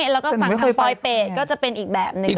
แล้วก็ฝั่งทางปลอยเปรตก็จะเป็นอีกแบบหนึ่ง